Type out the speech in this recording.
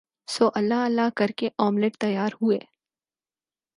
سو اللہ اللہ کر کے آملیٹ تیار ہوئے